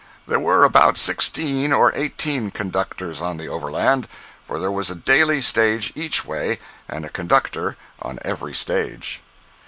There were about sixteen or eighteen conductors on the overland, for there was a daily stage each way, and a conductor on every stage.